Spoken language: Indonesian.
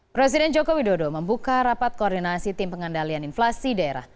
presiden joko widodo membuka rapat koordinasi tim pengendalian inflasi daerah